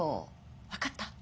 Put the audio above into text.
分かった？